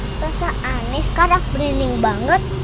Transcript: aku merasa aneh sekarang berinding banget